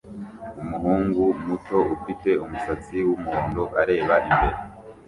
Umuhungu muto ufite umusatsi wumuhondo areba imbere